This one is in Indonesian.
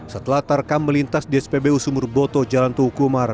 setelah tarkam melintas di spbu sumurboto jalan tuhukumar